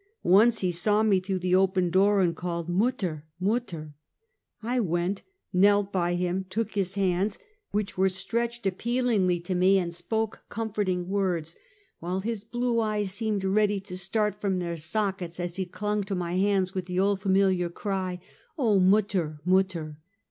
Once he saw me through the open door, and called, ^'Mutter! mutter!" I went, knelt by him, took his hands, which were Two Treatments. 271 stretched appealingly to me, and sj3oke comforting words, while his bhie eyes seemed ready to start from their sockets, as he clung to my hands with the old familiar cry: "Oh, Mutter! Mutter!"